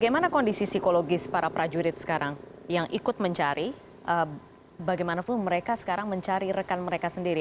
bagaimana kondisi psikologis para prajurit sekarang yang ikut mencari bagaimanapun mereka sekarang mencari rekan mereka sendiri